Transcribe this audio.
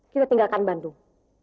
kita tinggalkan bandung